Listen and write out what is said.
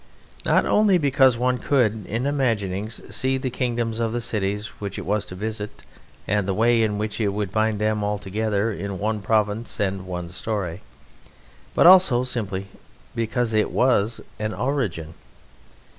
Not only because one could in imaginings see the kingdoms of the cities which it was to visit and the way in which it would bind them all together in one province and one story, but also simply because it was an origin.